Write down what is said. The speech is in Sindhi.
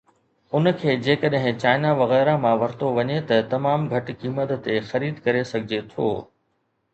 ان کي جيڪڏهن چائنا وغيره مان ورتو وڃي ته تمام گهٽ قيمت تي خريد ڪري سگهجي ٿو